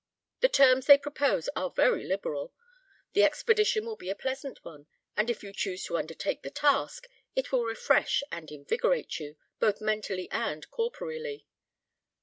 The terms they propose are very liberal; the expedition will be a pleasant one; and if you choose to undertake the task, it will refresh and invigorate you, both mentally and corporeally.